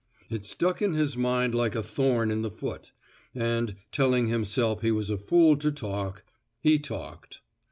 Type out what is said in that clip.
It stuck in his mind like a thorn in the foot; and, telling himself he was a fool to talk, he talked.